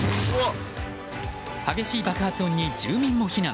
激しい爆発音に住民も避難。